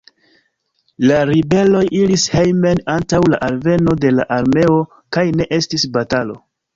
La ribeloj iris hejmen antaŭ la alveno de la armeo, kaj ne estis batalo.